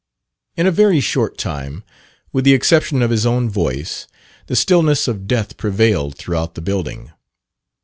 In a very short time, with the exception of his own voice, the stillness of death prevailed throughout the building.